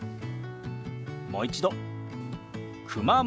もう一度「熊本」。